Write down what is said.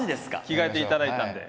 着替えていただいたんで。